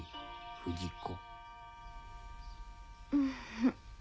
不二子・・